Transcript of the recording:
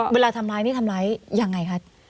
เวลาทำร้ายก็ทำร้ายอย่างไร